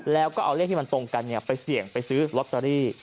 แล้วก็เอาเลขที่มันตรงกันไปเสี่ยงไปซื้อลอตเตอรี่